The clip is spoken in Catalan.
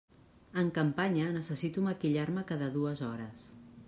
En campanya necessito maquillar-me cada dues hores.